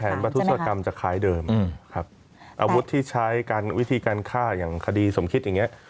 แผนประทุษฎกรรมจะคล้ายเดิมอาวุธที่ใช้วิธีการฆ่าอย่างคดีสมคิตอย่างนี้